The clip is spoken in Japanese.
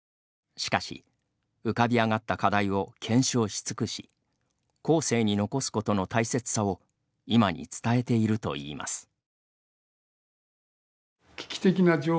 しかし、浮かび上がった課題を検証し尽くし後世に残すことの大切さを今に伝えているといいます。